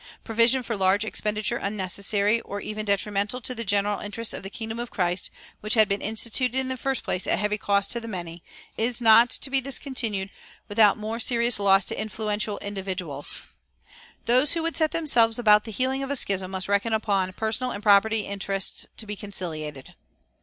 Provision for large expenditure unnecessary, or even detrimental, to the general interests of the kingdom of Christ, which had been instituted in the first place at heavy cost to the many, is not to be discontinued without more serious loss to influential individuals. Those who would set themselves about the healing of a schism must reckon upon personal and property interests to be conciliated.